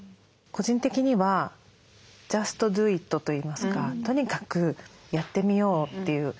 個人的にはジャスト・ドゥ・イットといいますかとにかくやってみようっていう。